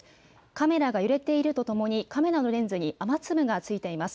カメラが揺れているとともにカメラのレンズに雨粒がついています。